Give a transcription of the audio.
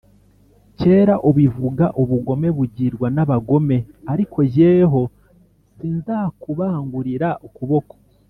kera ubivuga ubugome bugirwa n abagome ariko jyeweho sinzakubangurira ukuboko